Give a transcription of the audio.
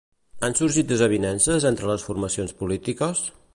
Han sorgit desavinences entre les formacions polítiques?